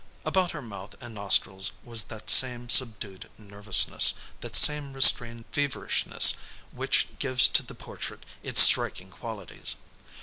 About her mouth and nostrils was that same subdued nervousness, that same restrained feverishness which gives to the portrait its striking qualities.